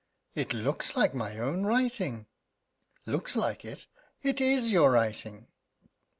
It looks like my own writing." "Looks like it! It is your writing."